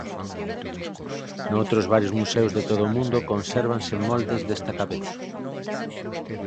Noutros varios museos de todo o mundo consérvanse moldes desta cabeza.